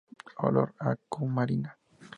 Olor a cumarina.